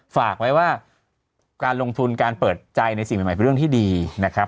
ฝากไว้ว่าการลงทุนการเปิดใจในสิ่งใหม่เป็นเรื่องที่ดีนะครับ